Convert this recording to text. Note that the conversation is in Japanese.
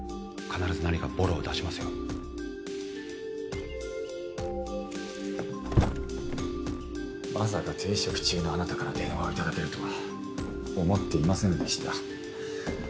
必ず何かボロを出しますよまさか停職中のあなたから電話をいただけるとは思っていませんでした。